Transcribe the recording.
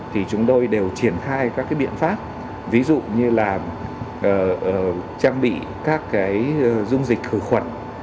thì chúng tôi đều triển khai các biện pháp ví dụ như là trang bị các dung dịch khử khuẩn